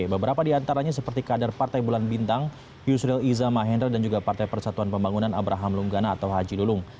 beberapa di antaranya seperti kader partai bulan bintang yusril iza mahendra dan juga partai persatuan pembangunan abraham lunggana atau haji lulung